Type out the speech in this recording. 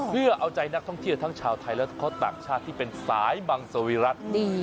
เพื่อเอาใจนักท่องเที่ยวทั้งชาวไทยและเขาต่างชาติที่เป็นสายบังสวิรัติ